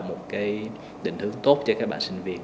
một cái định hướng tốt cho các bạn sinh viên